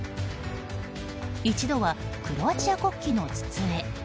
一度はクロアチア国旗の筒へ。